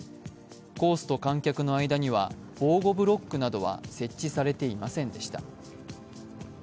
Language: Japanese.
コースと観客の間には防護ブロックなどは設置されていませんでした。